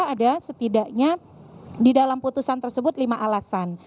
karena kita ada setidaknya di dalam putusan tersebut lima alasan